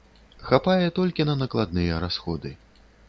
Хапае толькі на накладныя расходы.